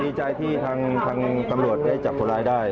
ดีใจที่ทางตำรวจได้จับคนร้ายได้